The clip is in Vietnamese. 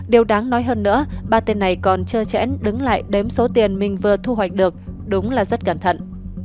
điều đáng nói hơn nữa ba tên này còn trơn đứng lại đếm số tiền mình vừa thu hoạch được đúng là rất cẩn thận